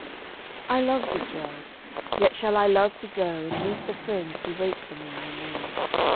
I love this world, yet shall I love to go And meet the friends who wait for me, I know.